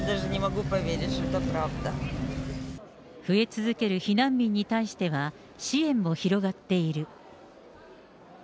増え続ける避難民に対しては、支援も広がっている。